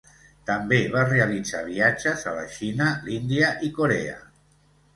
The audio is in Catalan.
També va realitzar viatges a la Xina, l'Índia i Corea.